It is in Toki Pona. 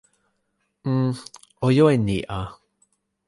n. o jo e ni a.